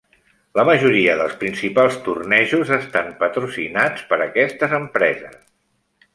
La majoria dels principals tornejos estan patrocinats per aquestes empreses.